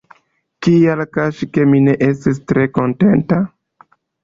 Kial kaŝi, ke mi estis tre kontenta?.